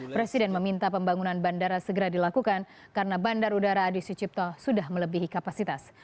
presiden meminta pembangunan bandara segera dilakukan karena bandar udara adi sucipto sudah melebihi kapasitas